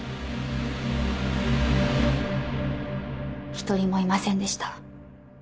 一人もいませんでした。